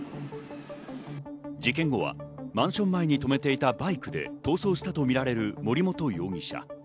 事件後はマンション前に止めていたバイクで逃走したとみられる森本容疑者。